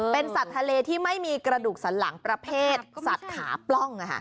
เป็นสัตว์ทะเลที่ไม่มีกระดูกสันหลังประเภทสัตว์ขาปล้อง